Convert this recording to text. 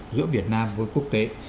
giữa việt nam với quốc tế